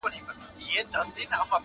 نه مي قسمت- نه مي سبا پر ژبه زېرئ لري-